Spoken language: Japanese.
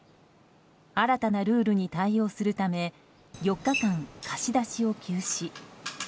新たなルールに対応するため４日間、貸し出しを休止。